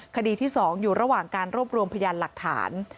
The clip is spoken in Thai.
คดีที่๒อยู่ระหว่างการรวบรวมพยานหลักฐาน